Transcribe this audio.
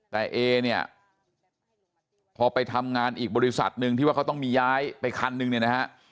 แต่เอเนี่ยพอไปทำงานอีกบริษัทหนึ่งที่ว่าเขาต้องมีย้ายไปคันนึงเนี่ยนะฮะ